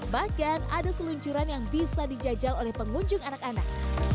bahkan ada seluncuran yang bisa dijajal oleh pengunjung anak anak